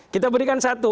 kita berikan satu